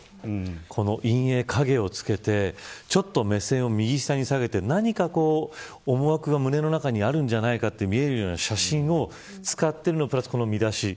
この陰影、影をつけてちょっと目線を右下に下げて何か思惑が胸の中にあるんじゃないかと見えるような写真を使っているのとプラス、この見出し。